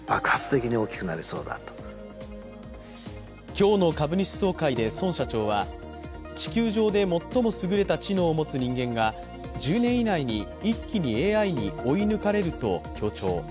今日の株主総会で孫社長は地球上で最も優れた知能を持つ人間が１０年以内に一気にＡＩに追い抜かれると強調。